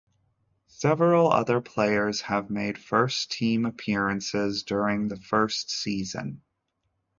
Several other players have made first team appearances during the first season.